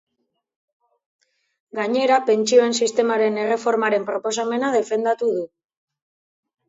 Gainera, pentsioen sistemaren erreformaren proposamena defendatu du.